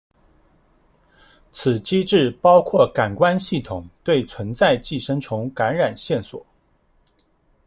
此机制包括感官系统对存在寄生虫感染线索。